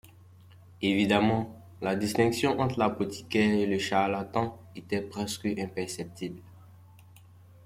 Évidemment, la distinction entre l'apothicaire et le charlatan était presque imperceptible.